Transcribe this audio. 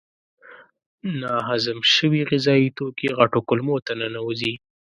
ناهضم شوي غذایي توکي غټو کولمو ته ننوزي.